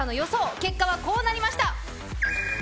結果はこうなりました。